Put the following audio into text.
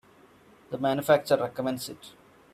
The manufacturer recommends it.